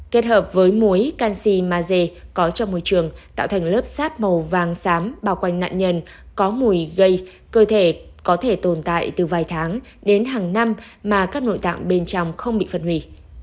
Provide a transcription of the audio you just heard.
kết hợp với muối canxi maze có trong môi trường tạo thành lớp sáp màu vàng sám bao quanh nạn nhân có mùi gây cơ thể có thể tồn tại từ vài tháng đến hàng năm mà các nội tạng bên trong không bị phân hủy